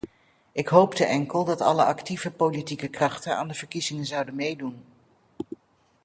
Ik hoopte enkel dat alle actieve politieke krachten aan de verkiezingen zouden meedoen.